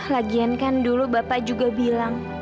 lagian kan dulu bapak juga bilang